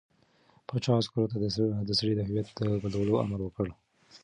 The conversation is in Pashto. پاچا عسکرو ته د سړي د هویت د بدلولو امر وکړ.